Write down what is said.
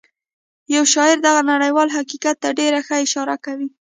یو شاعر دغه نړیوال حقیقت ته ډېره ښه اشاره کوي